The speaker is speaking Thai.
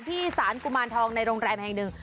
ที่สารกุมารทองในโรงแรมแห่งหนึ่ง